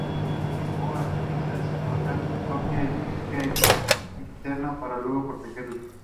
Ello obligó al país a desarrollar su propia industria interna para luego protegerla.